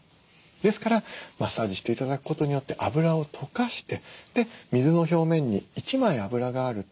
ですからマッサージして頂くことによって脂を溶かしてで水の表面に一枚脂があると乾燥しにくい。